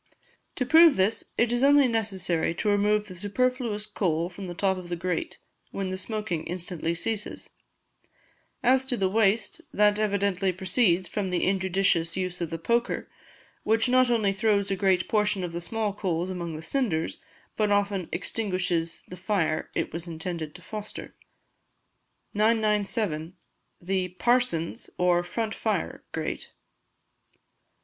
To prove this it is only necessary to remove the superfluous coal from the top of the grate, when the smoking instantly ceases; as to the waste, that evidently proceeds from the injudicious use of the poker, which not only throws a great portion of the small coals among the cinders, but often extinguishes the fire it was intended to foster. 997. The "Parson's" or Front Fire Grate.